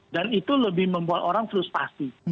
dan itu lebih membuat orang frustasi